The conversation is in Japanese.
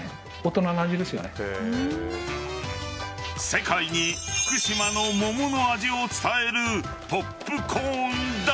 世界に福島の桃の味を伝えるポップコーンだ。